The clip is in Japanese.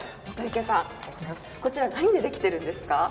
本池さん、こちら何でできているんですか？